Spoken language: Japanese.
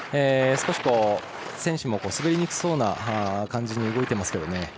少し選手も滑りにくそうな感じに動いていますね。